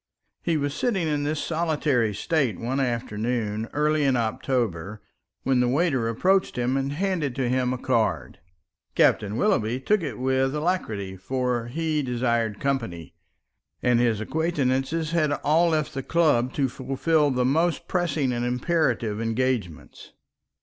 He was sitting in this solitary state one afternoon early in October, when the waiter approached him and handed to him a card. Captain Willoughby took it with alacrity, for he desired company, and his acquaintances had all left the club to fulfil the most pressing and imperative engagements.